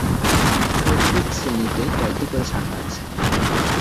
প্রত্যেক শ্রেণিতে কয়েকটি করে শাখা আছে।